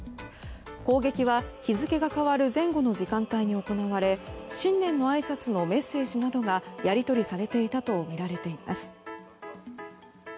攻撃は日付が変わる前後の時間帯に行われ新年のあいさつのメッセージなどがやり取りされていたとみられています。